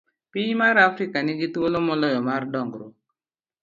A. Piny mar Afrika ni gi thuolo moloyo mar dongruok.